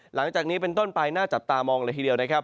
หลังจากนี้เป็นต้นไปน่าจับตามองเลยทีเดียวนะครับ